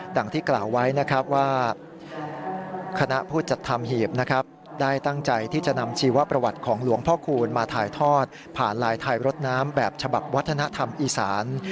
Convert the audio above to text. ดังกล่าวที่กล่าวไว้นะครับว่าคณะผู้จัดทำหีบนะครับได้ตั้งใจที่จะนำชีวประวัติของหลวงพ่อคูณมาถ่ายทอดผ่านลายไทยรถน้ำแบบฉบับวัฒนธรรมอีสาน